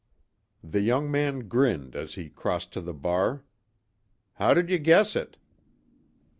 The young man grinned as he crossed to the bar: "How did you guess it?"